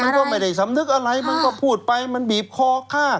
มันก็ไม่ได้สำนึกอะไรมันก็พูดไปมันบีบคอฆ่า